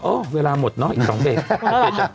เวลาหมดเนอะอีก๒เบรก